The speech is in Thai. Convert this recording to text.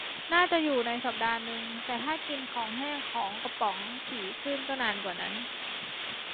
น่าจะอยู่ได้สัปดาห์นึง แต่ถ้ากินของแห้งของกระป๋องถี่ขึ้นก็นานกว่านั้น